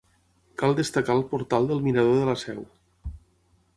Cal destacar el portal del Mirador de la Seu.